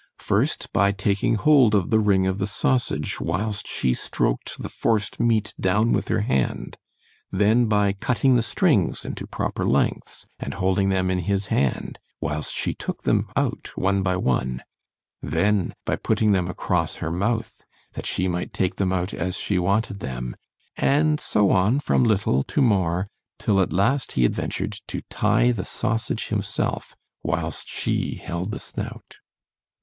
——First, by taking hold of the ring of the sausage whilst she stroked the forced meat down with her hand——then by cutting the strings into proper lengths, and holding them in his hand, whilst she took them out one by one——then, by putting them across her mouth, that she might take them out as she wanted them——and so on from little to more, till at last he adventured to tie the sausage himself, whilst she held the snout.